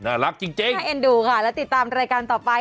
รักจริงน่าเอ็นดูค่ะแล้วติดตามรายการต่อไป